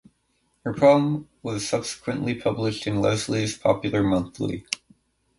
Her poem was subsequently published in Leslie’s Popular Monthly.